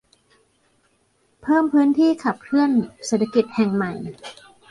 เพิ่มพื้นที่ขับเคลื่อนเศรษฐกิจแห่งใหม่